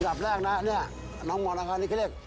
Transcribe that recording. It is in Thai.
อันดับแรกนะเนี่ยน้องมอร์นักอันนี้ก็เรียก